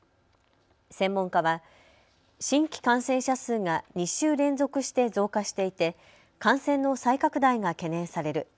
専門家は新規感染者数が２週連続して増加していて感染の再拡大が懸念される。